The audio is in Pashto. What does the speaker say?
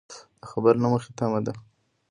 د خبر له مخې تمه ده